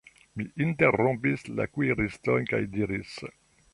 Mi interrompis la kuiriston kaj diris: